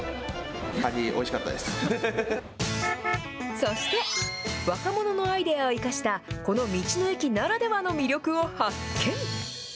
そして、若者のアイデアを生かしたこの道の駅ならではの魅力を発見。